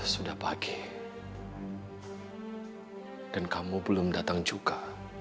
sudah pagi dan kamu belum datang juga